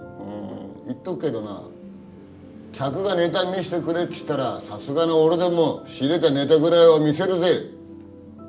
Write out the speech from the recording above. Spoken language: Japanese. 言っとくけどな客がネタ見せてくれって言ったらさすがの俺でも仕入れたネタぐらいは見せるぜ。